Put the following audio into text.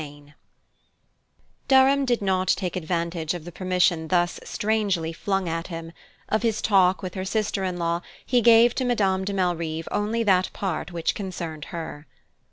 VII Durham did not take advantage of the permission thus strangely flung at him: of his talk with her sister in law he gave to Madame de Malrive only that part which concerned her.